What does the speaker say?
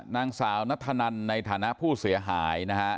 นางสาวนัทธนันในฐานะผู้เสียหายนะฮะ